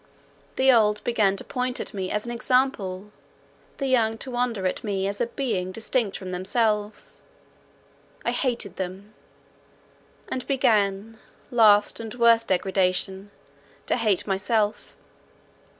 The old began to point at me as an example, the young to wonder at me as a being distinct from themselves; I hated them, and began, last and worst degradation, to hate myself.